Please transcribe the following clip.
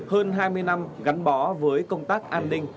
hơn hai mươi năm gắn bó với công tác an ninh